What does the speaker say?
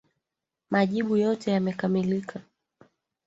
Majibu yote yamekamilika.